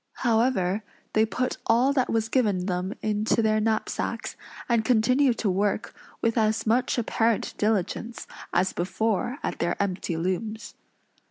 However, they put all that was given them into their knapsacks; and continued to work with as much apparent diligence as before at their empty looms.